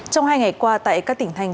trong hai ngày qua tại các tỉnh thành